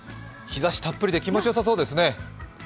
日差したっぷりで気持ちよさそうですね。